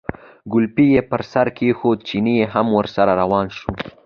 کولپۍ یې پر سر کېښوده، چيني هم ورسره روان شو.